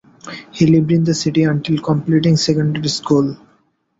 He lived in the city until completing secondary school.